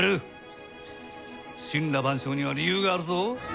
森羅万象には理由があるぞ。